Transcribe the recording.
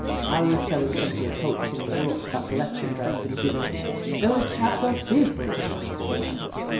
I was telling some of your poets in New York about the lectures I've been giving. Those chaps are fearfully rough with one.